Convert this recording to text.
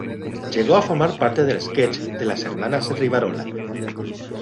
Llegó a formar parte del sketch de las hermanas Rivarola.